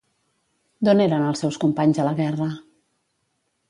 D'on eren els seus companys a la guerra?